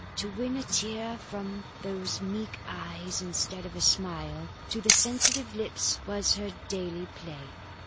To win a tear from those meek eyes instead of a smile to the sensitive lips was her daily play.